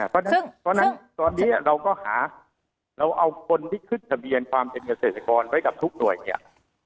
เพราะฉะนั้นตอนนี้เราก็หาเราเอาคนที่ขึ้นทะเบียนความเป็นเกษตรกรไว้กับทุกหน่วยเนี่ย